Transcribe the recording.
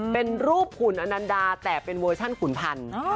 เป็นรูปขุนอนันดาแต่เป็นเวอร์ชันขุนพันธุ์